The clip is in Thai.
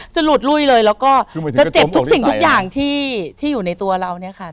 หลุดลุ้ยเลยแล้วก็จะเจ็บทุกสิ่งทุกอย่างที่อยู่ในตัวเราเนี่ยค่ะ